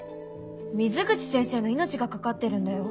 水口先生の命がかかってるんだよ？